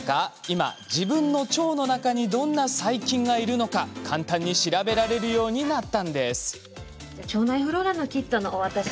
今、自分の腸の中にどんな細菌がいるのか簡単に調べられるようになったんです。